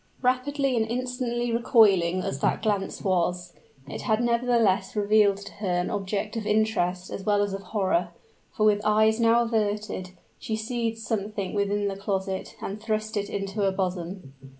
Rapidly and instantly recoiling as that glance was, it had nevertheless revealed to her an object of interest as well as of horror; for with eyes now averted, she seized something within the closet, and thrust it into her bosom.